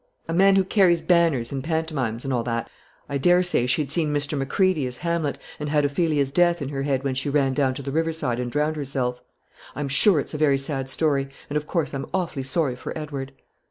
a man who carries banners in pantomimes, and all that I dare say she'd seen Mr. Macready as Hamlet, and had Ophelia's death in her head when she ran down to the river side and drowned herself. I'm sure it's a very sad story; and, of course, I'm awfully sorry for Edward."